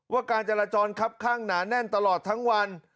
การจราจรครับข้างหนาแน่นตลอดทั้งวัน